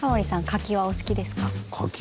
柿はお好きですか？